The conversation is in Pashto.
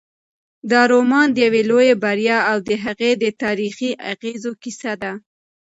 دا رومان د یوې لویې بریا او د هغې د تاریخي اغېزو کیسه ده.